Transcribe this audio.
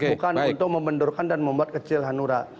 bukan untuk membendurkan dan membuat kecil hanura